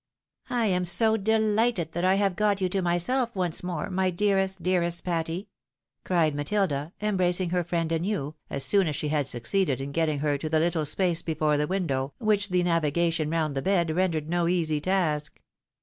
" I am so dehghted that I have got you to myself once more, my dearest, dearest Patty !" cried Matilda, embracing her friend anew, as soon as she had succeeded in getting her to the little space before the window, which the navigation round the bed rendered no easy task.